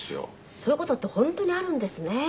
そういう事って本当にあるんですね。